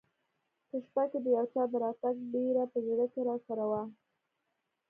په شپه کې د یو چا د راتګ بېره په زړه کې راسره وه.